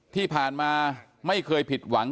ที่ผ่านมาไม่เคยผิดหวัง